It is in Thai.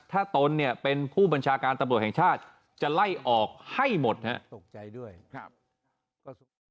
ถ้าตนเนี่ยเป็นผู้บัญชาการตำรวจแห่งชาติจะไล่ออกให้หมดนะครับ